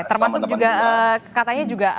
termasuk juga katanya juga